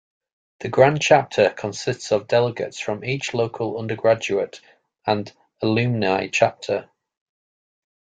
The Grand Chapter consists of delegates from each local undergraduate and alumni chapter.